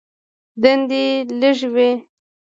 دندې لږې وې.